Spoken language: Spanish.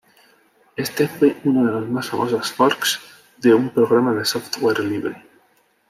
Este fue uno de los más famosos forks de un programa de software libre.